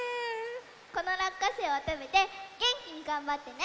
このらっかせいをたべてげんきにがんばってね！